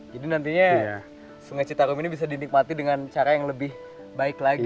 jadi nantinya sungai citarum ini bisa dinikmati dengan cara yang lebih baik lagi ya